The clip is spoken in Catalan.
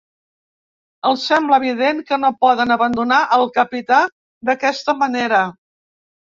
Els sembla evident que no poden abandonar el capità d'aquesta manera.